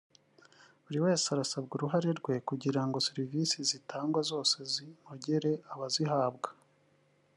buri wese arasabwa uruhare rwe kugira ngo serivisi zitangwa zose zinogere abazihabwa